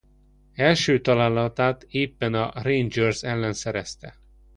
Első találatát éppen a Rangers ellen szerezte.